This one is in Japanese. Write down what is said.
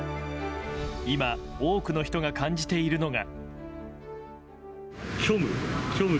今、多くの人が感じているのが。